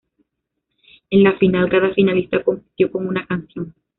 En la final, cada finalista compitió con una canción.